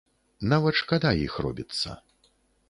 Нават шкада іх робіцца.